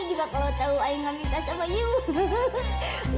jika kalau tahu i gak minta sama you